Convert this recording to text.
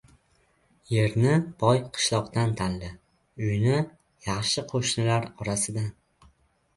• Yerni boy qishloqdan tanla, uyni — yaxshi qo‘shnilar orasidan.